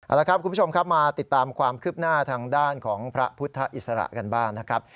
เอาละครับคุณผู้ชมครับมาติดตามความคืบหน้าทางด้านของพระพุทธอิสระกันบ้างนะครับ